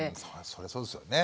そりゃそうですよね。